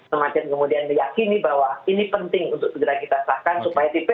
semakin kemudian meyakini bahwa ini penting untuk segera kita selesaikan